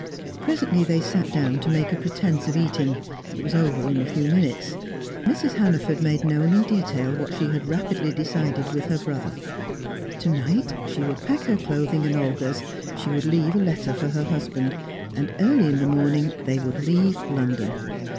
Presently they sat down to make a pretence of eating; it was over in a few minutes. Mrs. Hannaford made known in detail what she had rapidly decided with her brother. Tonight she would pack her clothing and Olga's; she would leave a letter for her husband; and early in the morning they would leave London.